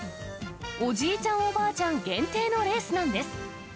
おじいちゃんおばあちゃん限定のレースなんです。